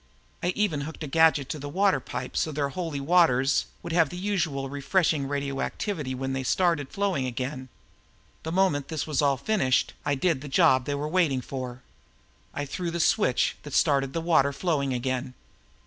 I even hooked a gadget to the water pipe so their Holy Waters would have the usual refreshing radioactivity when they started flowing again. The moment this was all finished, I did the job they were waiting for. I threw the switch that started the water flowing again.